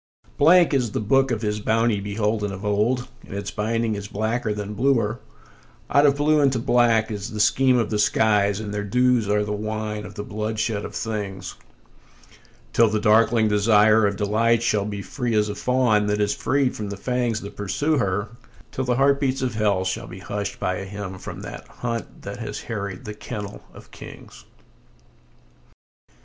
Blank is the book of his bounty beholden of old, and its binding is blacker than bluer; Out of blue into black is the scheme of the skies, and their dews are the wine of the bloodshed of things; Till the darkling desire of delight shall be free as a fawn that is freed from the fangs that pursue her, Till the heartbeats of hell shall be hushed by a hymn from that hunt that has harried the kennel of kings.